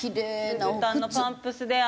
ルブタンのパンプスで。